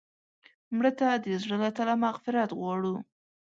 مړه ته د زړه له تله مغفرت غواړو